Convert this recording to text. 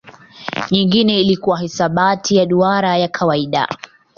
Nyingine ilikuwa hisabati ya duara ya kawaida.